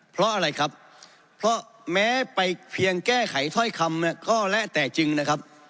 เพราะอะไรครับเพราะแม้ไปเพียงแก้ไขถ้อยคำก็แล้วแต่จริงนะครับ